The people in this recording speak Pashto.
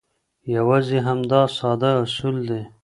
یوازې همدا ساده اصول دي.